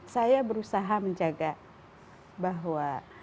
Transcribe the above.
saya berusaha menjaga bahwa